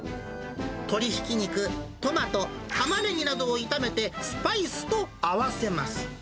鶏ひき肉、トマト、タマネギなどを炒めて、スパイスと合わせます。